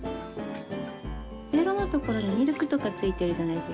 ベロの所にミルクとか付いてるじゃないですか。